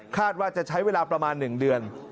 ว่าจะใช้เวลาประมาณ๑เดือน